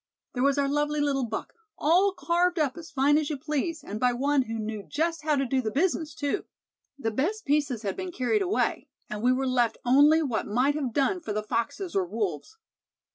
"There was our lovely little buck, all carved up as fine as you please, and by one who knew just how to do the business, too. The best pieces had been carried away, and we were left only what might have done for the foxes or wolves!"